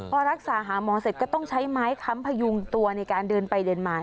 พอรักษาหาหมอเสร็จก็ต้องใช้ไม้ค้ำพยุงตัวในการเดินไปเดินมา